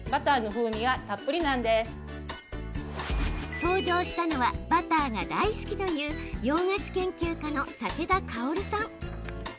登場したのはバターが大好きという洋菓子研究家のたけだかおるさん。